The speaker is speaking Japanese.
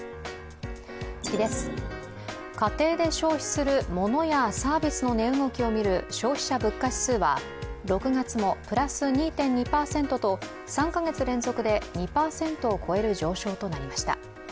家庭で消費するモノやサービスの値動きを見る消費者物価指数は６月もプラス２．２％と３カ月連続で２％を超える上昇となりました。